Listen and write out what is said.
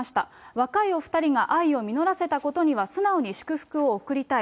若いお２人が愛を実らせたことには素直に祝福を贈りたい。